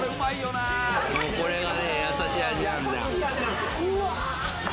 これが優しい味なんです。